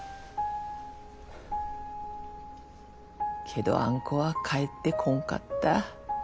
けどあん子は帰ってこんかった。